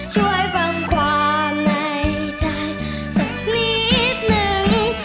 ช่วยฟังความในใจสักนิดนึง